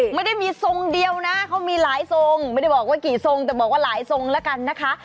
ไม่ได้มีทรงเดียวนะเขามีหลายทรงแต่ถึงหลายทรงแล้วกันนะคะ